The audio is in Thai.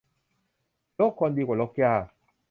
รกคนดีกว่ารกหญ้า